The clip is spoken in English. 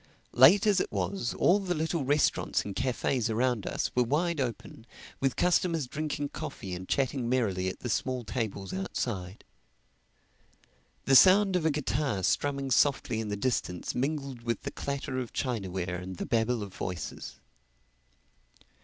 Late as it was, all the little restaurants and cafés around us were wide open, with customers drinking coffee and chatting merrily at the small tables outside. The sound of a guitar strumming softly in the distance mingled with the clatter of chinaware and the babble of voices.